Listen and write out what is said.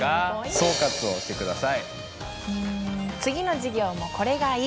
総括をして下さい。